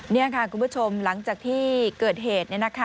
นี่ค่ะคุณผู้ชมหลังจากที่เกิดเหตุ